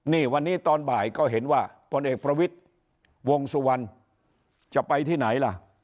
นี่วันนี้ตอนบ่ายก็เห็นว่าพลเอกประวิทย์วงสุวรรณจะไปที่ไหนล่ะ